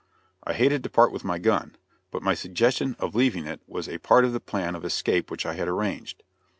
I hated to part with my gun, but my suggestion of leaving it was a part of the plan of escape which I had arranged.